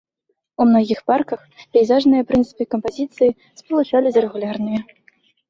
У многіх парках пейзажныя прынцыпы кампазіцыі спалучалі з рэгулярнымі.